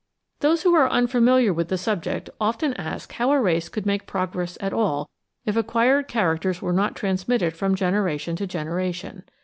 Those who are unfamiliar with the subject often ask how a race could make progress at all if acquired characters were not transmitted from generation to generation.